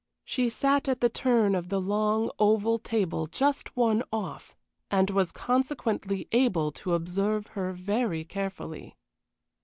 She sat at the turn of the long, oval table just one off, and was consequently able to observe her very carefully.